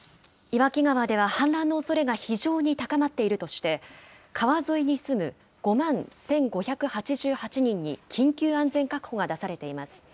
岩木川では氾濫のおそれが非常に高まっているとして、川沿いに住む５万１５８８人に緊急安全確保が出されています。